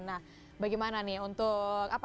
nah bagaimana nih untuk apa